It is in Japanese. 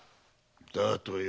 だとよ。